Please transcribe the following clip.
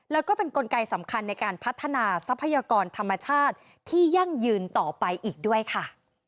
แล้วก็เป็นกลไกสำคัญในการพัฒนาทรัพยากรธรรมชาติที่ยั่งยืนต่อไปอีกด้วยค่ะ